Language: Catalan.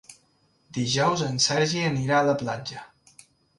Dijous en Sergi anirà a la platja.